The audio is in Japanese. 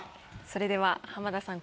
それでは浜田さん